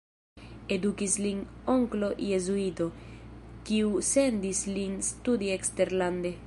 Edukis lin onklo jezuito, kiu sendis lin studi eksterlande.